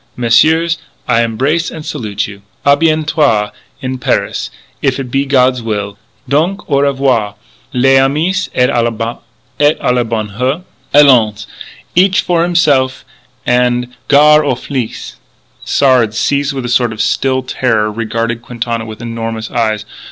Messieurs, I embrace and salute you. A bientôt in Paris if it be God's will! Donc au revoir, les amis, et à la bonheur! Allons! Each for himself and gar' aux flics!" Sard, seized with a sort of still terror, regarded Quintana with enormous eyes.